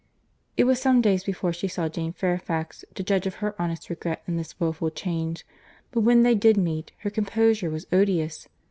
It was some days before she saw Jane Fairfax, to judge of her honest regret in this woeful change; but when they did meet, her composure was odious.